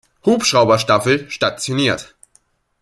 Hubschrauberstaffel stationiert.